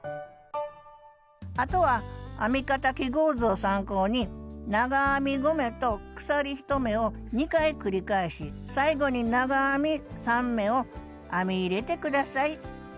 あとは編み方記号図を参考に長編み５目と鎖１目を２回繰り返し最後に長編み３目を編み入れて下さい。